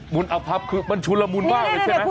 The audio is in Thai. รอภาพคือมันชุนละมุนมากเลยใช่ไหม